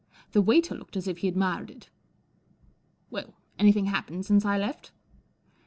The waiter looked as if he admired it. Well, anything happened since I left ?